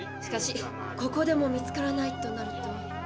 しかしここでも見つからないとなると。